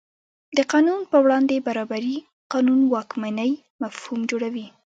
د قانون په وړاندې برابري قانون واکمنۍ مفهوم جوړوي.